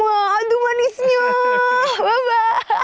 aduh manisnya bye bye